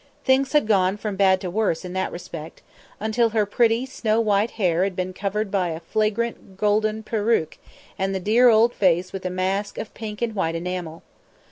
Things had gone from bad to worse in that respect, until her pretty snow white hair had been covered by a flagrant golden perruque and the dear old face with a mask of pink and white enamel.